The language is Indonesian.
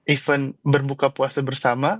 event berbuka puasa bersama